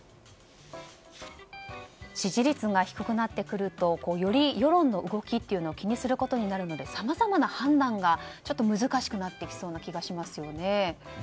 支持率が低くなってくるとより世論の動きを気にすることになるのでさまざまな判断が難しくなってきそうな気がしますよね。